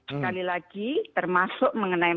sekali lagi termasuk mengenai